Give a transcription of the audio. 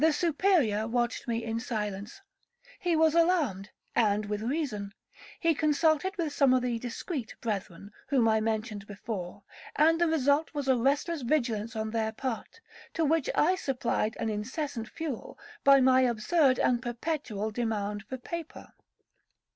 The Superior watched me in silence. He was alarmed, and with reason. He consulted with some of the discreet brethren, whom I mentioned before, and the result was a restless vigilance on their part, to which I supplied an incessant fuel, by my absurd and perpetual demand for paper.